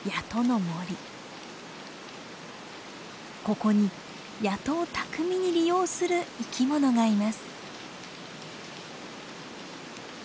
ここに谷戸を巧みに利用する生き物がいます。